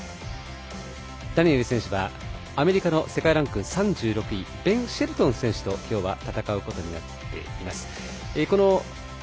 ダニエル選手はアメリカの世界ランク３６位ベン・シェルトン選手と今日は戦うことになっています。